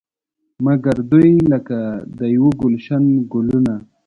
مګر دوی لکه د یو ګلش ګلونه.